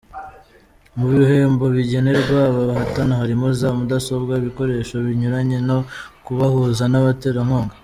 Mu bihembo bigenerwa aba bahatana harimo za; Mudasobwa, ibikoresho binyuranye no kubahuza n’abaterankunga.